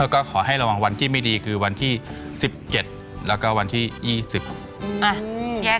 ก็ขอให้ระวังวันที่ไม่ดีคือวันที่สิบเก็ตแล้วก็วันที่ยี่สิบอ้าแยก